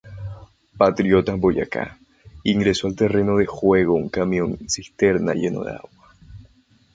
Patriotas Boyacá, ingresó al terreno de juego un camión cisterna lleno de agua.